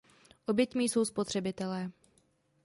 Oběťmi jsou spotřebitelé.